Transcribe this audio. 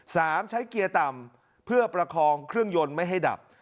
ใช้เกียร์ต่ำเพื่อประคองเครื่องยนต์ไม่ให้ดับ